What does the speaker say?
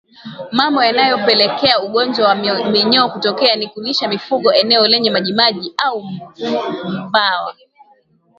Mambo yanayopelekea ugonjwa wa minyoo kutokea ni kulisha mifugo eneo lenye majimaji au bwawa